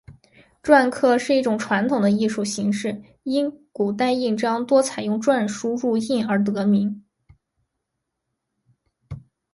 篆刻是一种传统的艺术形式，因古代印章多采用篆书入印而得名。